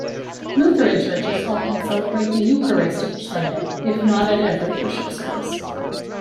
Lutheran churches often celebrate the Eucharist each Sunday, if not at every worship service.